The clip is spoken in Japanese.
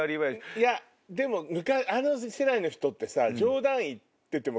いやでもあの世代の人ってさ。